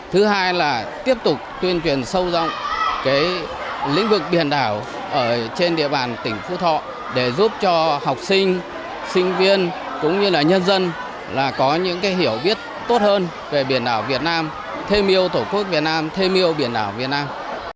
thứ hai là tiếp tục tuyên truyền sâu rộng lĩnh vực biển đảo trên địa bàn tỉnh phú thọ để giúp cho học sinh sinh viên cũng như là nhân dân có những hiểu biết tốt hơn về biển đảo việt nam thêm yêu tổ quốc việt nam thêm yêu biển đảo việt nam